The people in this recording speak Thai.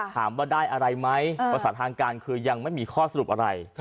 ถามว่าได้อะไรไหมภาษาทางการคือยังไม่มีข้อสรุปอะไร